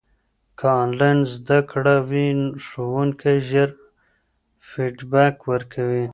که انلاین زده کړه وي، ښوونکي ژر فیډبک ورکوي.